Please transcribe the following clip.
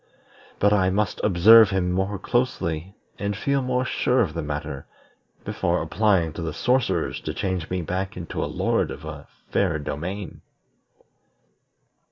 But I must observe him more closely, and feel more sure of the matter, before applying to the sorcerers to change me back into a lord of a fair domain."